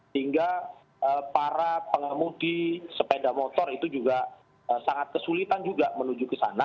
sehingga para pengemudi sepeda motor itu juga sangat kesulitan juga menuju ke sana